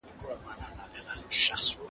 علم پرمختګ ته لار ده.